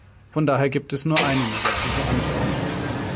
Von daher gibt es nur eine negative Antwort.